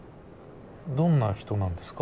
どんな人なんですか？